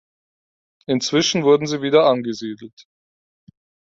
Inzwischen wurden sie wieder angesiedelt.